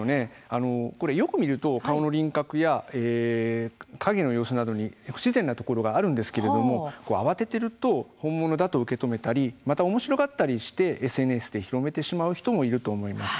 よく見ると顔の輪郭や影の様子などに不自然なところがあるんですけれども慌てていると本物だと受け止めたりまたおもしろがったりしてＳＮＳで広めてしまう人もいると思います。